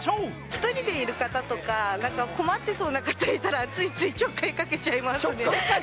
１人でいる方とかなんか困ってそうな方いたらついついちょっかいかけちゃいますね。